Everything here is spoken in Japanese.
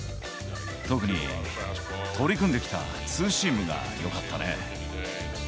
特に取り組んできたツーシームがよかったね。